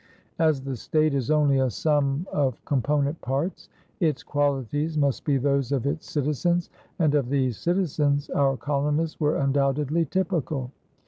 As the state is only a sum of component parts, its qualities must be those of its citizens, and of these citizens our colonists were undoubtedly typical.